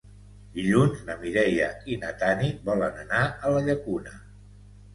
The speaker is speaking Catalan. Dilluns na Mireia i na Tanit volen anar a la Llacuna.